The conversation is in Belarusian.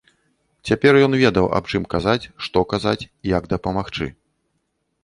Цяпер ён ведаў, аб чым казаць, што казаць, як дапамагчы.